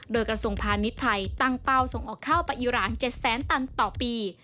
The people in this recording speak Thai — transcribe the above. โดยกระทรวงพาณิชย์ไทยตั้งเป้าส่งออกข้าวไปอีราน๗แสนตันต่อปี